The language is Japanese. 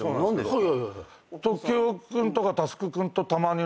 はい。